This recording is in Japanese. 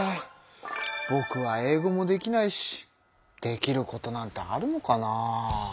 ぼくは英語もできないしできることなんてあるのかな。